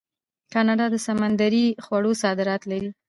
کاناډا د سمندري خوړو صادرات لري.